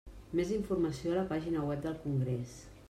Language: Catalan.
Més informació a la pàgina web del congrés.